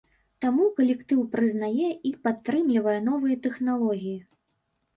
Таму калектыў прызнае і падтрымлівае новыя тэхналогіі.